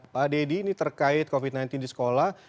pak deddy ini terkait covid sembilan belas di sekolah